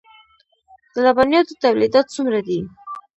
د لبنیاتو تولیدات څومره دي؟